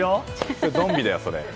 それゾンビだよ。